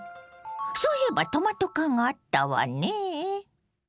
そういえばトマト缶があったわねぇ。